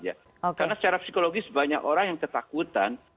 karena secara psikologi banyak orang yang ketakutan